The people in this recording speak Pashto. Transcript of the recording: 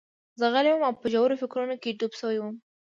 زه غلی وم او په ژورو فکرونو کې ډوب شوی وم